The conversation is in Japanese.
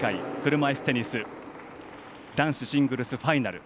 車いすテニス男子シングルスファイナル。